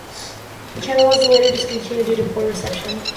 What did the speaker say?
This channel was later discontinued due to the poor reception.